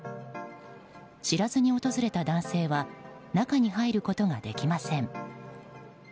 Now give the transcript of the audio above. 知らずに訪れた男性は中に入ることができません。